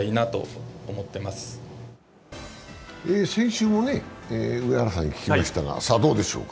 先週も上原さんに聞きましたが、どうでしょうか。